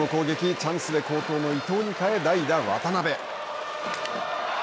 チャンスで好投の伊藤に代え代打渡邉。